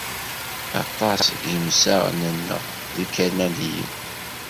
Aṭas seg yimsaɣen-nneɣ d Ikanadiyen.